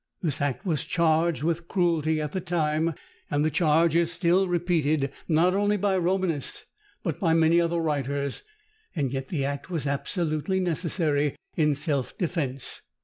This act was charged with cruelty at the time, and the charge is still repeated, not only by Romanist, but by many other writers: yet the act was absolutely necessary in self defence.